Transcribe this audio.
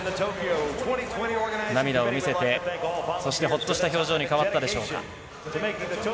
涙を見せて、そしてほっとした表情に変わったでしょうか。